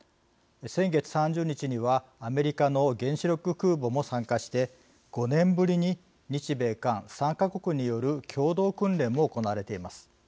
先月３０日にはアメリカの原子力空母も参加して５年ぶりに日米韓３か国による共同訓練も行われています。